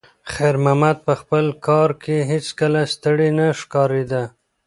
خیر محمد په خپل کار کې هیڅکله ستړی نه ښکارېده.